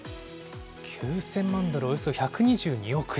９０００万ドル、およそ１２２億円。